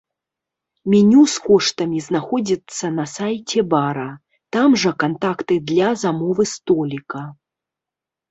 Меню з коштамі знаходзіцца на сайце бара, там жа кантакты для замовы століка.